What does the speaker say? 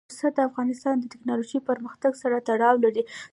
پسه د افغانستان د تکنالوژۍ پرمختګ سره تړاو لري.